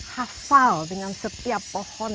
hafal dengan setiap pohon